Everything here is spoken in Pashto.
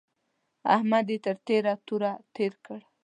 احمد يې تر تېره توره تېر کړ.